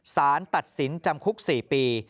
สารตัดสินจำคุก๔ปี